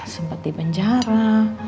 sempat di penjara